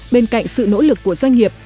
bên cạnh sự nỗ lực của doanh nghiệp